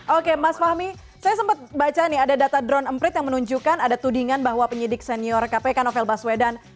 oke mas fahmi saya sempat baca nih ada data drone emprit yang menunjukkan ada tudingan bahwa penyidik senior kpk novel baswedan